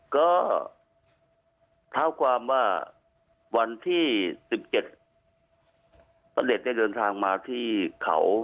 ก็เท้าความว่าวันที่๑๗พระเด็จได้เดินทางมาที่เขา